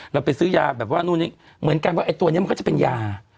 เราไปซื้อยาแบบว่านู่นนี่เหมือนกันว่าไอ้ตัวนี้มันก็จะเป็นยา